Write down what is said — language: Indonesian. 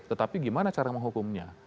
tetapi gimana cara menghukumnya